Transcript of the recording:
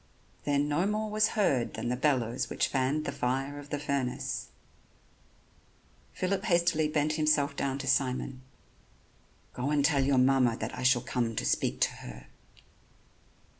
Then no more was heard than the bellows which fanned the fire of the furnace. Phillip hastily bent himself down to Simon: "Go and tell your mamma that I shall come to speak to her."